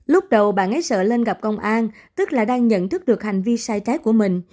lúc đầu bạn ấy sợ lên gặp công an tức là đang nhận thức được hành vi sai trái của mình